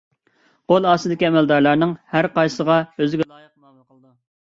قول ئاستىدىكى ئەمەلدارلارنىڭ ھەر قايسىسىغا ئۆزىگە لايىق مۇئامىلە قىلىدۇ.